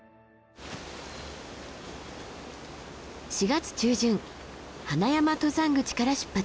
４月中旬花山登山口から出発。